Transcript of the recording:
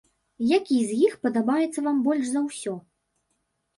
Які з іх падабаецца вам больш за ўсё?